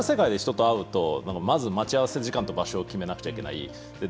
リアル世界で人と会うとまず待ち合わせ時間と場所を決めなくてはいけない。